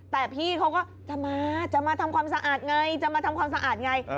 แต่พี่เขาก็จะมาจะมาทำความสะอาดไงจะมาทำความสะอาดไง